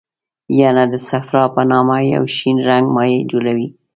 ینه د صفرا په نامه یو شین رنګه مایع جوړوي.